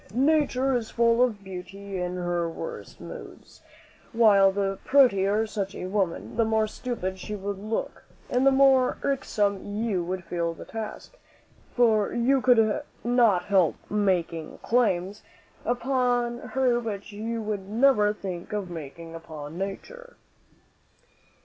"Nature is full of beauty in her worst moods; while the prettier such a woman, the more stupid she would look, and the more irksome you would feel the task; for you could not help making claims upon her which you would never think of making upon Nature."